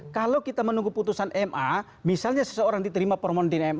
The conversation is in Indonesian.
kalau kita menunggu putusan ma misalnya seseorang diterima perumahan